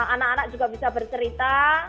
anak anak juga bisa bercerita